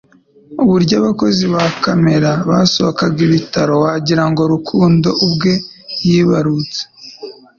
Uburyo abakozi ba kamera basohokaga ibitaro, wagira ngo Rukundo ubwe yibarutse